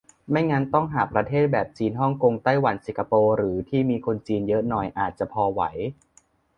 ไม่งั้นต้องหาประเทศแบบ จีน ฮ่องกง ไต้หวัน สิงคโปร์ หรือที่มีคนจีนเยอะหน่อย อาจจะพอไหว